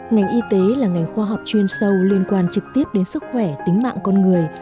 ngành y tế là ngành khoa học chuyên sâu liên quan trực tiếp đến sức khỏe tính mạng con người